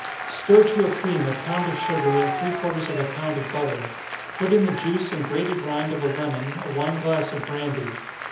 _ Stir to a cream a pound of sugar, and three quarters of a pound of butter put in the juice and grated rind of a lemon, a wine glass of brandy.